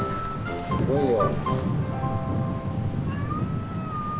すごいよ。